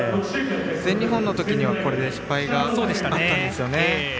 全日本のときにはこれで失敗があったんですよね。